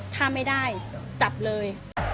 ถ้าไม่ได้จับเลย